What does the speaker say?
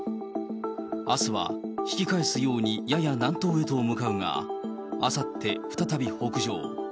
あすは引き返すようにやや南東へと向かうが、あさって、再び北上。